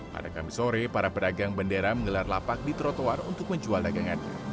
pada kamis sore para pedagang bendera menggelar lapak di trotoar untuk menjual dagangannya